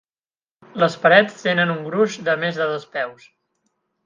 Les parets tenen un gruix de més de dos peus.